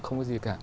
không có gì cả